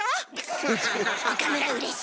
岡村うれしい？